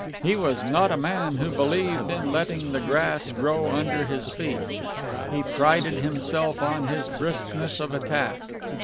He was not a man who believed in letting the grass grow under his feet. He prided himself on his briskness of attack.